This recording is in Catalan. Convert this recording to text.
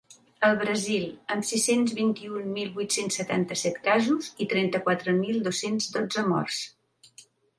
El Brasil, amb sis-cents vint-i-un mil vuit-cents setanta-set casos i trenta-quatre mil dos-cents dotze morts.